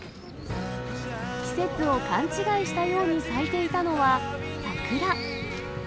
季節を勘違いしたように咲いていたのは、桜。